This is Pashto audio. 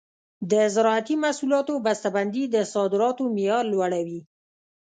د زراعتي محصولاتو بسته بندي د صادراتو معیار لوړوي.